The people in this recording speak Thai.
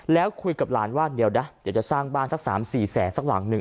แล้วคุยกับหลานว่าเดี๋ยวนะเดี๋ยวจะสร้างบ้านสัก๓๔แสนสักหลังหนึ่ง